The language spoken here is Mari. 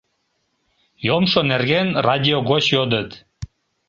— Йомшо нерген радио гоч йодыт.